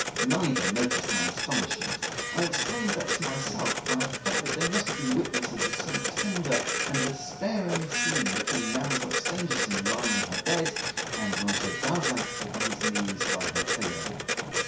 Neither noticed my astonishment. I explained that to myself by the fact that they must have been witnesses of some tender and despairing scene between Mademoiselle Stangerson, lying in her bed, and Monsieur Darzac on his knees by her pillow.